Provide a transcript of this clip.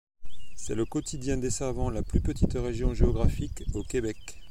C'est le quotidien desservant la plus petite région géographique au Québec.